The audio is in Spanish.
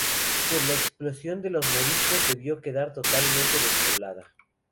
Con la expulsión de los moriscos debió quedar totalmente despoblada.